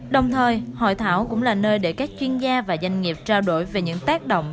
đồng thời hội thảo cũng là nơi để các chuyên gia và doanh nghiệp trao đổi về những tác động